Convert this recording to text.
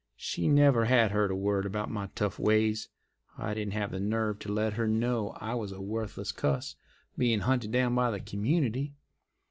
She never had heard a word 'bout my tough ways. I didn't have the nerve to let her know I was a worthless cuss bein' hunted down by the community.